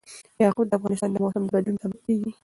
یاقوت د افغانستان د موسم د بدلون سبب کېږي.